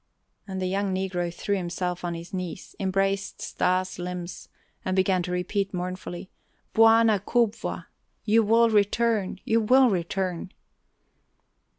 And the young negro threw himself on his knees, embraced Stas' limbs, and began to repeat mournfully: "Bwana kubwa! You will return! You will return!"